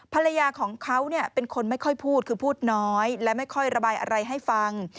ภรรยาของเขาเป็นคนไม่ค่อยพูดคือพูดน้อยและไม่ค่อยระบายอะไรให้ฟัง